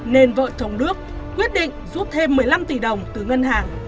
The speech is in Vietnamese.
nên vợ thống đức quyết định rút thêm một mươi năm tỷ đồng từ ngân hàng